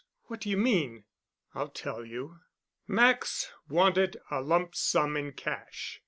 What do you mean?" "I'll tell you. Max wanted a lump sum in cash.